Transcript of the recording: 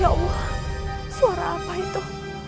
ya allah suara apa itu